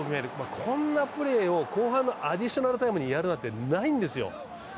こんなプレーを後半のアディショナルタイムにやるなんてないんですよ。